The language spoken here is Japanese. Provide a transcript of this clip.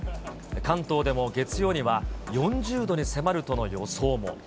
関東でも月曜には、４０度に迫るとの予想も。